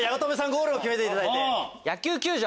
ゴールを決めていただいて。